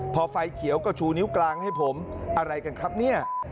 พอไฟเขียวก็ชูนิ้วกลางให้ผมอะไรกันครับเนี่ย